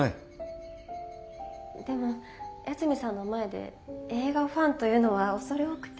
でも八海さんの前で映画ファンというのは恐れ多くて。